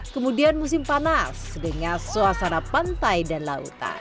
kemudian musim panas dengan suasana pantai dan lautan